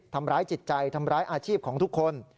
ทำร้ายจิตใจทำร้ายอาชีพของทุกคน